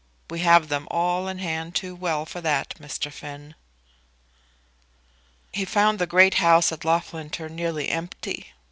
We have them all in hand too well for that, Mr. Finn!" He found the great house at Loughlinter nearly empty.